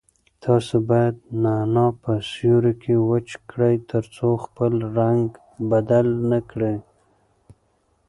تاسو باید نعناع په سیوري کې وچ کړئ ترڅو خپل رنګ بدل نه کړي.